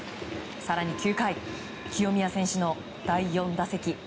更に９回清宮選手の第４打席。